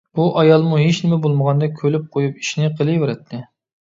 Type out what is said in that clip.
بۇ ئايالمۇ ھېچنېمە بولمىغاندەك كۈلۈپ قويۇپ ئىشىنى قىلىۋېرەتتى.